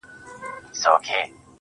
د دې نړۍ انسان نه دی په مخه یې ښه,